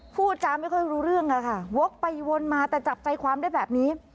พูดจาไม่ค่อยรู้เรื่องอะค่ะวกไปวนมาแต่จับใจความได้แบบนี้